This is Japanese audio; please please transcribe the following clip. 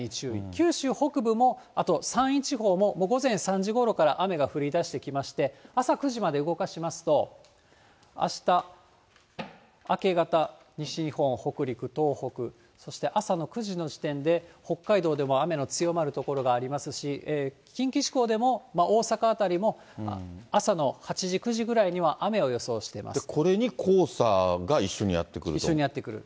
九州北部も、あと山陰地方も、午前３時ごろから雨が降りだしてきまして、朝９時まで動かしますと、あした明け方、西日本、北陸、東北、そして朝の９時の時点で北海道でも雨の強まる所がありますし、近畿地方でも大阪辺りも朝の８時、９時ぐらいには雨を予想していまこれに黄砂が一緒にやって来一緒にやって来る。